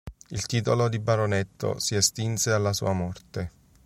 Il titolo di baronetto si estinse alla sua morte.